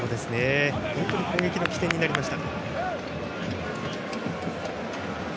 本当に攻撃の起点になりました。